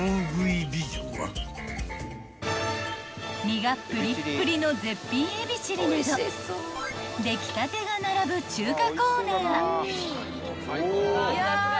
［身がプリップリの絶品海老チリなど出来たてが並ぶ中華コーナー］